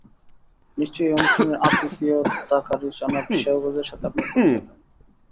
নিশ্চয়ই এই অনুষ্ঠানের আতিথেয়তাকারী জনাব সাওভ্যাজের সাথে আপনার পরিচয় হয়নি।